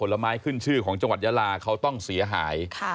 ละไม้ขึ้นชื่อของจังหวัดยาลาเขาต้องเสียหาย